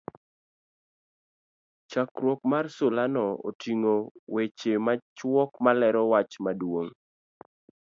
chakruok mar sulano otingo weche machuok ma lero wach maduong'